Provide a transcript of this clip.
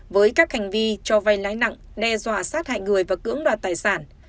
với các hành vi cho vay lãi nặng đe dọa sát hại người và cưỡng đoạt tài sản